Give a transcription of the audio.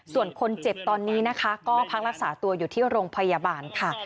ส่วนคนเจ็บตอนนี้นะคะก็พักรักษาตัวอยู่ที่โรงพยาบาลค่ะ